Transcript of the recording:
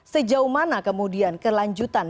sejauh mana kemudian kelanjutan